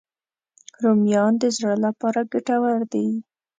رومیان د زړه لپاره ګټور دي